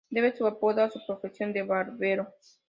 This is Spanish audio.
Debe su apodo a su profesión de barbero.